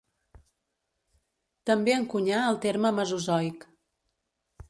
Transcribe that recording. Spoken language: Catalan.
També encunyà el terme Mesozoic.